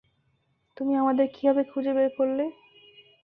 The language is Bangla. তুমি আমাদের কীভাবে খুঁজে বের করলে?